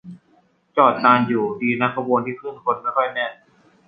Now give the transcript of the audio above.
จอดนานอยู่ ดีนะขบวนที่ขึ้นคนไม่ค่อยแน่น